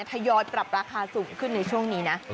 ทยอยปรับราคาสูงขึ้นในช่วงนี้นะ